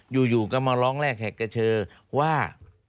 อยู่ก็มาร้องแรกแหกกระเชอว่า